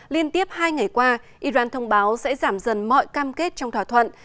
liên tiếp hai ngày qua iran thông báo sẽ giảm dần mọi cam kết trong thỏa thuận